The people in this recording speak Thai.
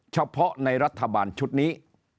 เฉพาะในรัฐบาลชุดนี้